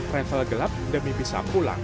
travel gelap demi bisa pulang